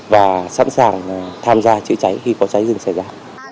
và sẵn sàng tham gia chữa cháy khi có cháy rừng xảy ra